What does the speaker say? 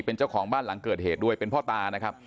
เป็นเจ้าของบ้านหลังเกิดเหตุด้วยเป็นพ่อตานะครับ